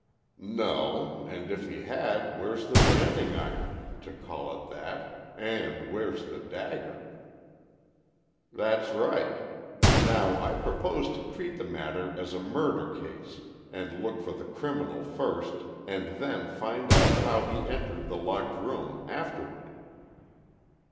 "No; and if he had, where's the branding iron—to call it that—and where's the dagger?" "That's right. Now, I propose to treat the matter as a murder case, and look for the criminal first, and then find out how he entered the locked room afterward."